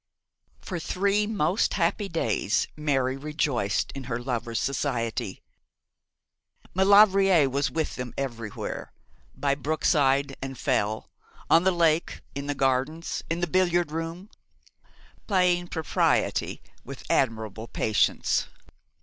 For three most happy days Mary rejoiced in her lover's society, Maulevrier was with them everywhere, by brookside and fell, on the lake, in the gardens, in the billiard room, playing propriety with admirable patience.